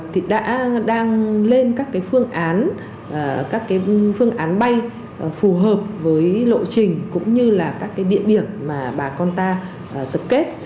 thì đã đang lên các cái phương án các cái phương án bay phù hợp với lộ trình cũng như là các cái địa điểm mà bà con ta tập kết